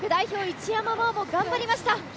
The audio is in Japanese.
一山麻緒も頑張りました。